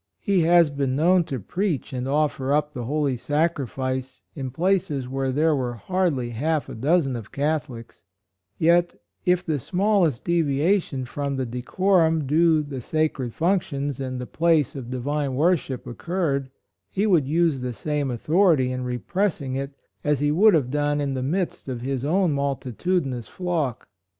He has been known to preach and offer up the Holy Sacrifice in places where there were hardly half a dozen of Catholics ; yet, if the smallest deviation from the deco rum due the sacred functions and the place of divine worship oc curred, he would use the same authority in repressing it as he would have done in the midst of his own multitudinous flock.